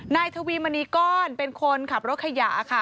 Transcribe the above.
นายทวีมณีก้อนเป็นคนขับรถขยะค่ะ